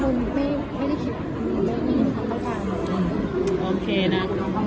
คิดมีแบบในภูมิไม่มีอักษาหนะ